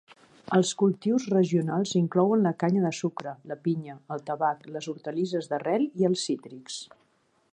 Els cultius regionals inclouen la canya de sucre, la pinya, el tabac, les hortalisses d'arrel i els cítrics.